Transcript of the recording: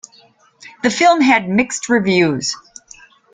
The film had mixed reviews.